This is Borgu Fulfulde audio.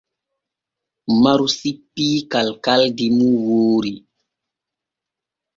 Umaru sippii kalkaldi mum woori.